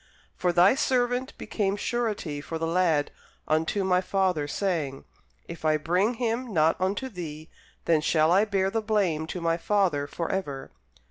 For thy servant became surety for the lad unto my father, saying, If I bring him not unto thee, then shall I bear the blame to my father for ever.